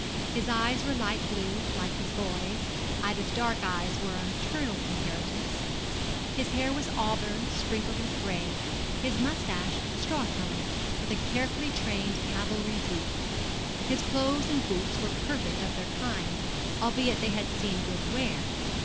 His eyes were light blue, like his boy's Ida's dark eyes were a maternal inheritance his hair was auburn, sprinkled with gray, his moustache straw colour and with a carefully trained cavalry droop. His clothes and boots were perfect of their kind, albeit they had seen good wear.